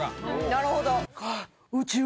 なるほど。